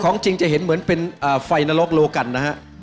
ของจริงจะเห็นเหมือนเป็นไฟนรกโลกันนะฮะ